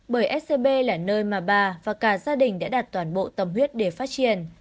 bởi scb là nơi mà bà và cả gia đình đã đạt toàn bộ tâm huyết để phát triển